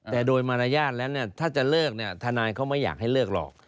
แต่โดยมารยาทแล้วถ้าจะเลิกทนายเขาไม่อยากให้เลิกหรอก